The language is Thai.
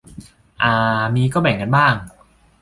อ่า มีก็แบ่งกันบ้าง